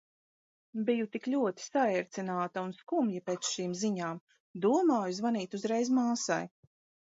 Biju tik ļoti saērcināta un skumja pēc šīm ziņām. Domāju zvanīt uzreiz māsai.